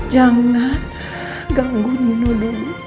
jangan ganggu nino dulu